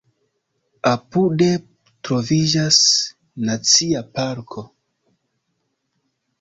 Apude troviĝas Nacia parko.